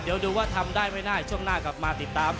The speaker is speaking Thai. เดี๋ยวดูว่าทำได้ไม่ได้ช่วงหน้ากลับมาติดตาม